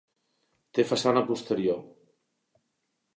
Té façana posterior.